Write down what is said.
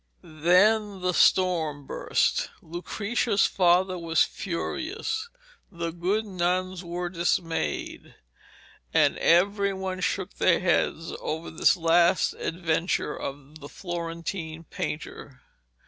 Then the storm burst. Lucrezia's father was furious, the good nuns were dismayed, and every one shook their heads over this last adventure of the Florentine painter.